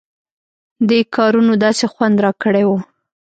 دې کار نو داسې خوند راکړى و.